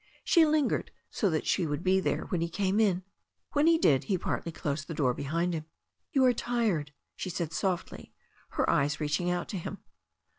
She lingered so that she would be there when he came in. When he did he partly closed the door behind him. "You are tired," she said softly, her eyes reaching out to him.